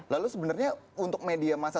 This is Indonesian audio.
lalu sebenarnya untuk media masa